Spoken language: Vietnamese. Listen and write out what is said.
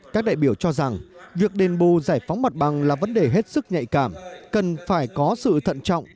các đại biểu cho rằng việc đền bù giải phóng mặt bằng là vấn đề hết sức nhạy cảm cần phải có sự thận trọng